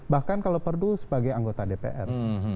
bahkan kalau perlu sebagai anggota dpr